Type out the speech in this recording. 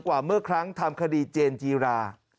กว่าเมื่อครั้งทำคดีเจนจีรา